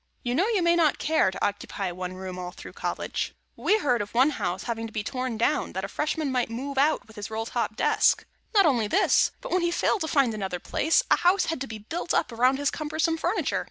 You know, you may not care to occupy one room all through College. We heard of one house having to be torn down, that a Freshman might move out with his roll top desk. Not only this, but when he failed to find another place, a house had to be built up around his cumbersome furniture.